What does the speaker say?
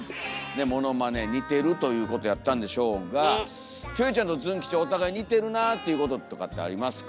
でものまね似てるということやったんでしょうがキョエちゃんとズン吉お互い似てるなあっていうこととかってありますか？